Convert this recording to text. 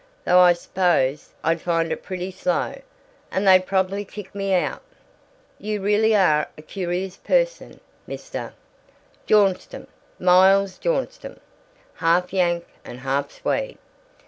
Though I s'pose I'd find it pretty slow, and they'd probably kick me out." "You really are a curious person, Mr. " "Bjornstam. Miles Bjornstam. Half Yank and half Swede.